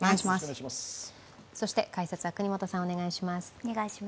そして解説は國本さん、お願いします。